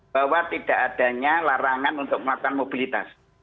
bahwa tidak adanya larangan untuk melakukan mobilitas